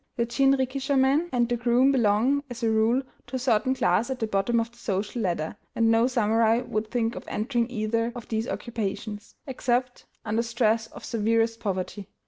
The jinrikisha man and the groom belong, as a rule, to a certain class at the bottom of the social ladder, and no samurai would think of entering either of these occupations, except under stress of severest poverty.